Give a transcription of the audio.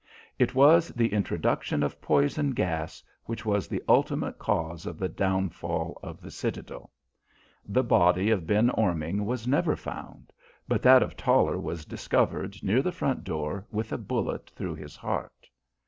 It was the introduction of poison gas which was the ultimate cause of the downfall of the citadel. The body of Ben Orming was never found, but that of Toller was discovered near the front door with a bullet through his heart.